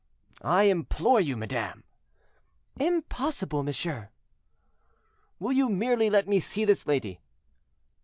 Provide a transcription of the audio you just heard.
"I implore you, madame." "Impossible, monsieur." "Will you merely let me see this lady?"